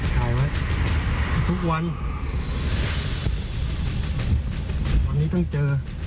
ถ่ายไว้ทุกวันวันนี้ต้องเจอ